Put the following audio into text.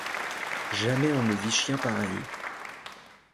Jamais on ne vit chien pareil !